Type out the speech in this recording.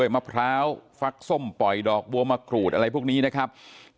มะพร้าวฟักส้มปล่อยดอกบัวมะกรูดอะไรพวกนี้นะครับ